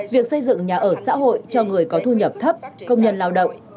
việc xây dựng nhà ở xã hội cho người có thu nhập thấp công nhân lao động